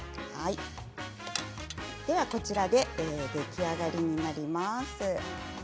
では、こちらで出来上がりになります。